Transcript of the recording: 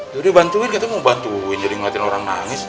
yaudah bantuin katanya mau bantuin jadi ngeliatin orang nangis